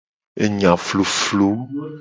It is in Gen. Enya fluflu.